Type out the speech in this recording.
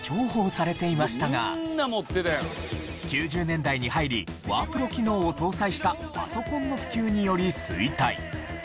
９０年代に入りワープロ機能を搭載したパソコンの普及により衰退。